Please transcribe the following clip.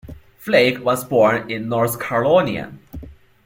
Flake was born in North Carolina.